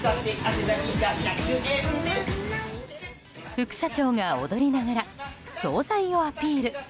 副社長が踊りながら総菜をアピール。